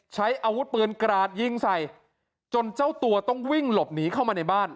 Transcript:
ใช้อาวุธปืนกราดยิงใส่จนเจ้าตัวต้องวิ่งหลบหนีเข้ามาในบ้าน